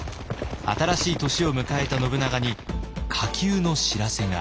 新しい年を迎えた信長に火急の知らせが。